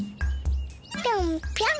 ぴょんぴょん。